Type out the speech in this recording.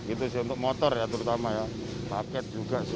itu sih untuk motor ya terutama ya paket juga sih